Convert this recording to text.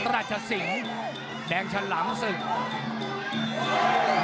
ราชสิงศ์แดงฉลามศึก